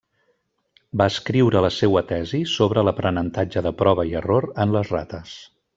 Va escriure la seua tesi sobre l'aprenentatge de prova i error en les rates.